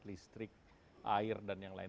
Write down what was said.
listrik air dan yang lain